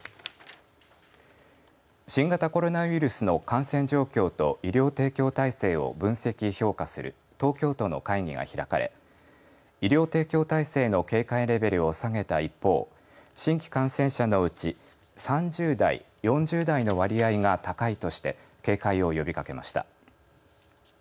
新型コロナウイルスの感染状況と医療提供体制を分析・評価する東京都の会議が開かれ医療提供体制の警戒レベルを下げた一方新規感染者のうち３０代、４０代の割合が高いとして警戒を呼びかけました。